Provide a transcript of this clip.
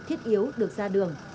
thiết yếu được ra đường